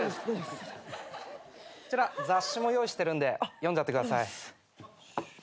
こちら雑誌も用意してるんで読んじゃってください。